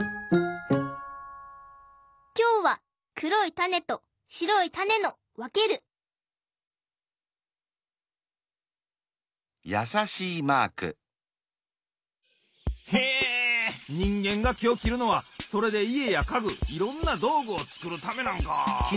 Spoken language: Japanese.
きょうは黒いタネと白いタネのわけるへえにんげんがきをきるのはそれでいえやかぐいろんなどうぐをつくるためなんか。